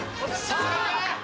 さあ。